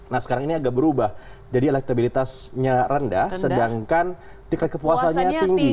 nah sekarang ini agak berubah jadi elektabilitasnya rendah sedangkan tiket kepuasannya tinggi